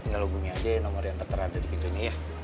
tinggal lo bumi aja nomor yang terada di pintu ini ya